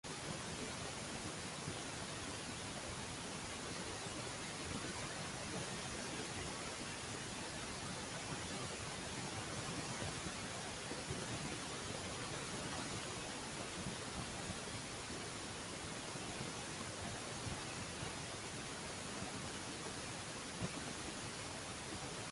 Gus es viudo dos veces y Call es adicto al trabajo.